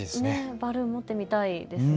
バルーン持ってみたいですね。